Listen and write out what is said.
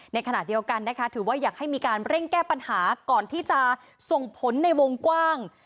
ในขณะเดียวกันนะคะถือว่าอยากให้มีการเร่งแก้ปัญหาก่อนที่จะส่งผลในวงกว้าง